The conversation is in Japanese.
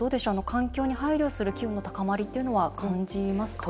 環境に配慮する機運の高まりっていうのは感じますか？